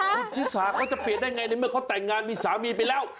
คุณชิสาเขาจะเปลี่ยนได้ไงในเมื่อเขาแต่งงานมีสามีไปแล้ว